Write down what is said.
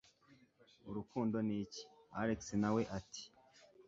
urukundo niki alex nawe ati